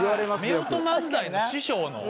夫婦漫才の師匠の。